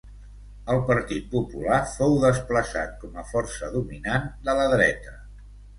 El Partit Popular fou desplaçat com a força dominant de la dreta.